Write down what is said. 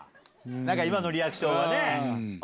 今のリアクションはね。